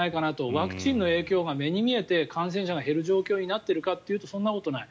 ワクチンの影響が目に見えて感染者が減る状況になっているかというとそんなことない。